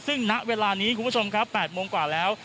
ซึ่งณเวลานี้คุณผู้ชมครับ๘โมงกว่าแล้ว